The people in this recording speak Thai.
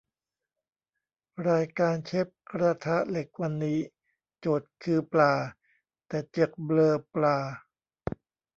รายการเชฟกระทะเหล็กวันนี้โจทย์คือปลา แต่เจือกเบลอปลา